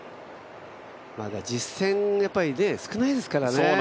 まだ実戦がやっぱり少ないですからね。